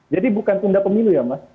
jadi bukan tunda pemilu ya mas